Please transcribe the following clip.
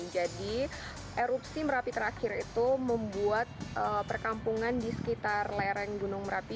jadi erupsi merapi terakhir itu membuat perkampungan di sekitar lereng gunung merapi